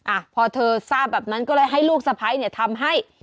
อ่ะพอเธอทราบแบบนั้นก็เลยให้ลูกสะพ้ายเนี่ยทำให้